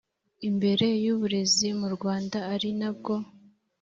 imbere uburezi mu rwanda ari nabwo